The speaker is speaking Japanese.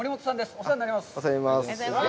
お世話になります。